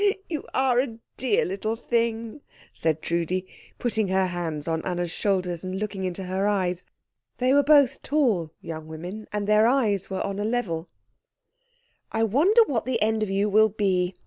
"Oh, you are a dear little thing!" said Trudi, putting her hands on Anna's shoulders and looking into her eyes they were both tall young women, and their eyes were on a level "I wonder what the end of you will be.